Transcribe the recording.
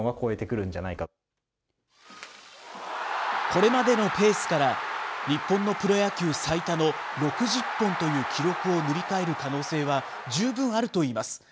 これまでのペースから、日本のプロ野球最多の６０本という記録を塗り替える可能性は十分あるといいます。